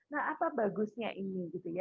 nah apa bagusnya ini